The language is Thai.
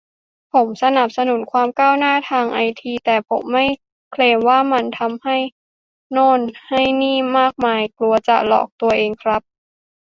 ผมสนับสนุนความก้าวหน้าทางไอที แต่ผมจะไม่เคลมว่ามันทำให้โน่นให้นี่มากมาย กลัวจะหลอกตัวเองครับ